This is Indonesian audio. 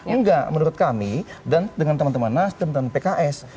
enggak menurut kami dan dengan teman teman nasdem dan pks